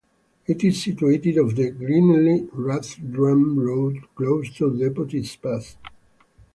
It is situated off the Glenealy-Rathdrum road, close to Deputy's Pass.